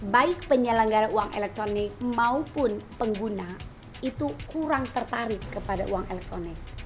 baik penyelenggara uang elektronik maupun pengguna itu kurang tertarik kepada uang elektronik